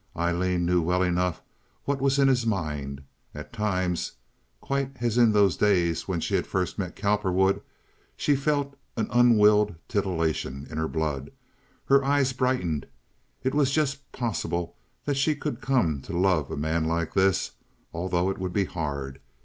Aileen knew well enough what was in his mind. At times, quite as in those days when she had first met Cowperwood, she felt an unwilled titillation in her blood. Her eyes brightened. It was just possible that she could come to love a man like this, although it would be hard.